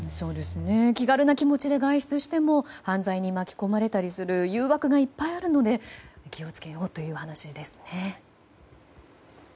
気軽な気持ちで外出しても犯罪に巻き込まれたりする誘惑がいっぱいあるので気を付けようという話ですね。